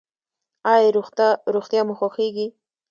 ایا روغتیا مو خوښیږي؟